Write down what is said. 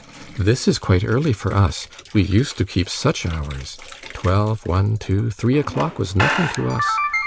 'This is quite early for us. We used to keep such hours! Twelve, one, two, three o'clock was nothing to us.